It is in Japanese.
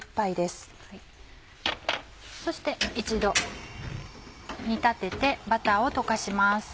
そして一度煮立ててバターを溶かします。